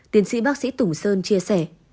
tiến sĩ bác sĩ tùng sơn chia sẻ